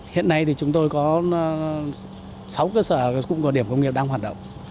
hiện nay thì chúng tôi có sáu cơ sở cụm điểm công nghiệp đang hoạt động